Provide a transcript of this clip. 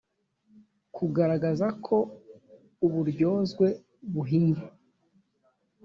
kugaragaza ko uburyozwe buhinnye